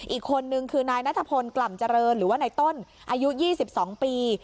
อีกคนนึงคือนายนัทพลกล่ำเจริญหรือว่านายต้นอายุ๒๒ปี